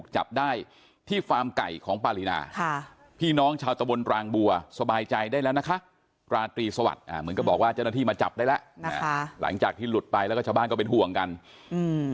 จับได้แล้วนะคะหลังจากที่หลุดไปแล้วก็ชาวบ้านก็เป็นห่วงกันอืม